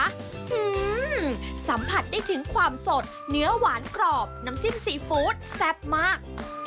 อืมสัมผัสได้ถึงความสดเนื้อหวานกรอบน้ำจิ้มซีฟู้ดแซ่บมาก